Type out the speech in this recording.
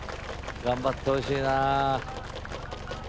頑張ってほしいな。